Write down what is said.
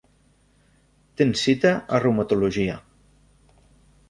Tens cita a reumatologia.